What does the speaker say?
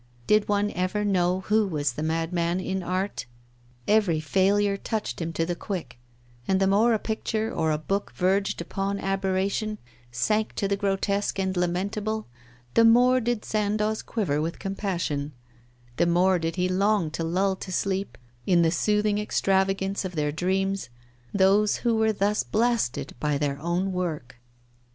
Did one ever know who was the madman in art? Every failure touched him to the quick, and the more a picture or a book verged upon aberration, sank to the grotesque and lamentable, the more did Sandoz quiver with compassion, the more did he long to lull to sleep, in the soothing extravagance of their dreams, those who were thus blasted by their own work.